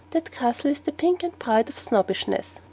That Castle is the pink and pride of Snobbishness.